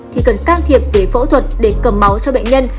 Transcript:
thì cần can thiệp về phẫu thuật để cầm máu cho bệnh nhân